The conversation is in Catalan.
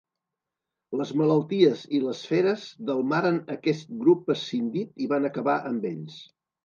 Les malalties i les feres delmaren aquest grup escindit i van acabar amb ells.